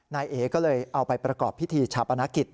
นายเอ๋ก็เลยเอาไปประกอบพิธีชาปนกิจ